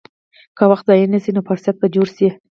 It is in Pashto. که وخت ضایع نه شي، نو فرصت به جوړ شي.